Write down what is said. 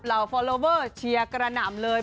เหล่าฟอร์โลเวอร์เชียร์กระหน่ำเลย